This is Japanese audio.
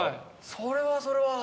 それはそれは。